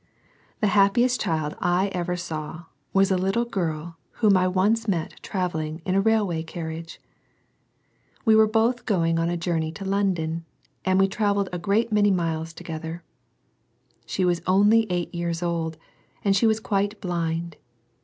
The happiest child I ever saw was a little girl whom I once met travelling in a railway carriage. We were both going on a journey to London, and we travelled a great many miles together. She was only eight years old, and she was quite blind.